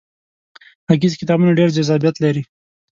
غږیز کتابونه ډیر جذابیت لري.